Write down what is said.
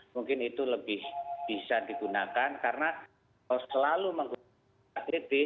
mungkin itu lebih bisa digunakan karena selalu menggunakan ktt